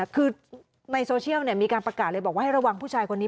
คือในโซเชียลมีการประกาศเลยบอกว่าให้ระวังผู้ชายคนนี้